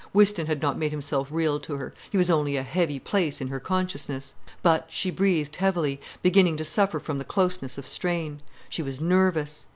Whiston had not made himself real to her. He was only a heavy place in her consciousness. But she breathed heavily, beginning to suffer from the closeness of strain. She was nervous.